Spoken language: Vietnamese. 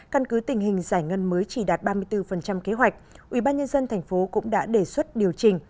căn cứ tình hình giải ngân mới chỉ đạt ba mươi bốn kế hoạch ủy ban nhân dân thành phố cũng đã đề xuất điều trình